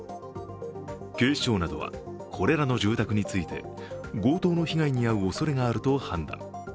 警視庁などはこれらの住宅について強盗の被害に遭うおそれがあると判断。